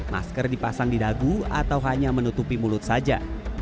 masker dipasang di dagu atau hanya menutupi mulut saja